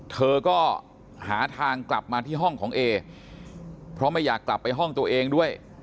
เธอก็หาทางกลับมาที่ห้องของเอเพราะไม่อยากกลับไปห้องตัวเองด้วย